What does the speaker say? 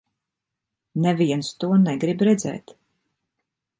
Neviens to negrib redzēt.